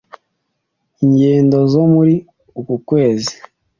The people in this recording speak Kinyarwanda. ingendo zo mu muri uku kwezi